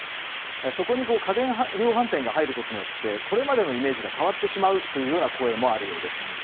そこに家電量販店が入ることでこれまでのイメージが変わってしまうという声もあるようです。